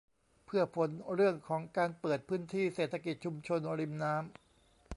เพื่อผลเรื่องของการเปิดพื้นที่เศรษฐกิจชุมชนริมน้ำ